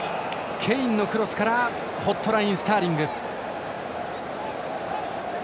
ケインのクロスからホットラインスターリング。